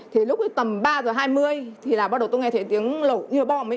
thì lúc tầm ba giờ hai mươi thì là bắt đầu tôi nghe thấy tiếng lỗ như là bom ý